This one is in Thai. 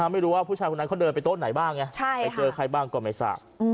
ไม่รู้ว่าผู้ชายคนนั้นเขาเดินไปโต๊ะไหนบ้างไปเจอใครบ้างก็ไม่ทราบ